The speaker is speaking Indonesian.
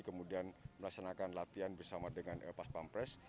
kemudian melaksanakan latihan bersama dengan pas pampres